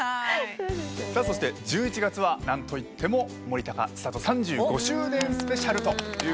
そして１１月は何といっても森高千里３５周年スペシャルということで。